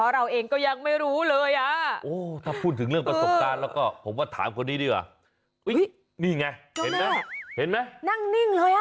นั่งนิ่งเลย